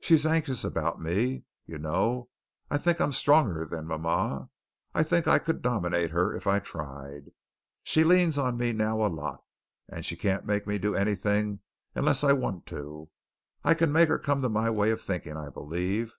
She's anxious about me. You know, I think I'm stronger than mama. I think I could dominate her if I tried. She leans on me now a lot, and she can't make me do anything unless I want to. I can make her come to my way of thinking, I believe.